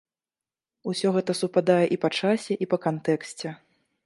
Усё гэта супадае і па часе, і па кантэксце.